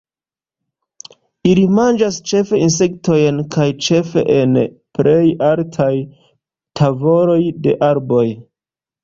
Ili manĝas ĉefe insektojn kaj ĉefe en plej altaj tavoloj de arboj.